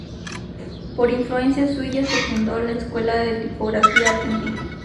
Por influencia suya se fundó la escuela de tipografía argentina.